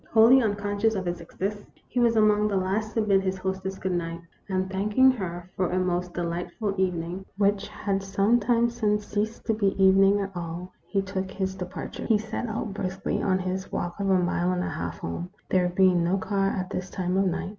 Wholly unconscious of its existence, he was among the last to bid his hostess good night ; and, thanking her for a most delightful evening, which had some time since ceased to be evening at all, he took his departure. He set out briskly on his walk of a mile and a half home, there being no car at this time of night.